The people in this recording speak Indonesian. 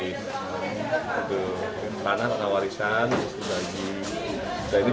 itu tanah warisan dan sebagainya